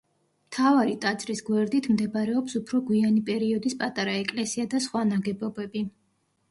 მთავარი ტაძრის გვერდით მდებარეობს უფრო გვიანი პერიოდის პატარა ეკლესია და სხვა ნაგებობები.